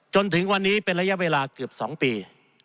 จนถึงวันนี้เป็นระยะเวลาเกือบ๒ปี